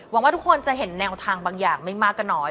ว่าทุกคนจะเห็นแนวทางบางอย่างไม่มากก็น้อย